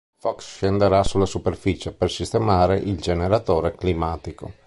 Fox scenderà sulla superficie per sistemare il generatore climatico.